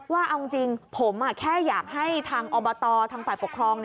ว่าเอาจริงผมแค่อยากให้ทางอบตทางฝ่ายปกครอง